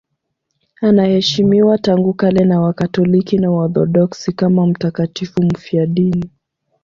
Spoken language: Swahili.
Anaheshimiwa tangu kale na Wakatoliki na Waorthodoksi kama mtakatifu mfiadini.